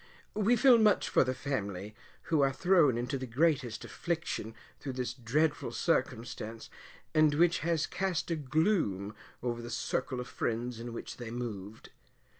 We feel much for the family, who are thrown into the greatest affliction through this dreadful circumstance, and which has cast a gloom over the circle of friends in which they moved.